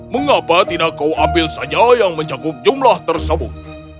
mengapa tidak kau ambil saja yang mencakup jumlah tersebut